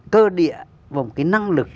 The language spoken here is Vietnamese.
cơ địa và một cái năng lực